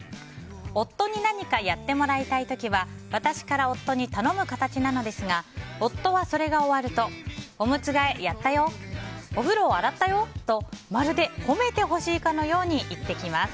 夫に何かやってもらいたい時は私から夫に頼む形なんですが夫はそれが終わるとおむつ替えやったよお風呂洗ったよとまるで褒めてほしいかのように言ってきます。